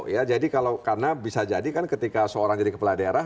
ya jadi kalau karena bisa jadi kan ketika seorang jadi kepala daerah